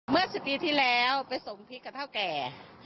เมื่อ๑๐ปีที่แล้วไปส่งพริกกับเท่าแก่